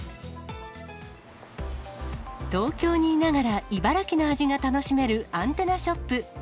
東京にいながら茨城の味が楽しめるアンテナショップ。